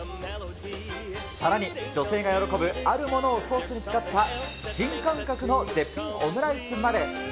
さらに、女性が喜ぶあるものをソースに使った新感覚の絶品オムライスまで。